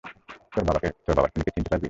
তোর বাবার খুনিকে চিনতে পারবি?